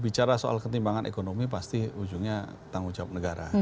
bicara soal ketimbangan ekonomi pasti ujungnya tanggung jawab negara